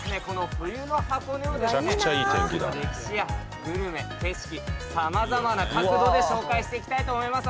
街の歴史やグルメ景色さまざまな角度で紹介していきたいと思います。